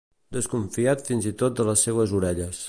Desconfiat fins i tot de les seues orelles.